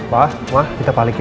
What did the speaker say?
pak ma kita balik ya